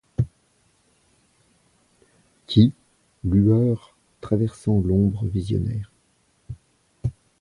Qui, lueur traversant l'ombre visionnaire